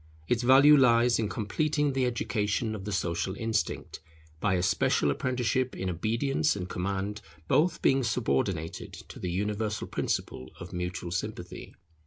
Its value lies in completing the education of the social instinct, by a special apprenticeship in obedience and command, both being subordinated to the universal principle of mutual sympathy.